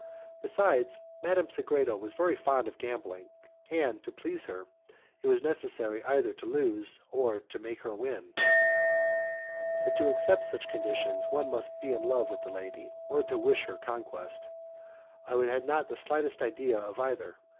Besides, Madame Sagredo was very fond of gambling, and, to please her, it was necessary either to lose or make her win, but to accept such conditions one must be in love with the lady or wish to make her conquest, and I had not the slightest idea of either.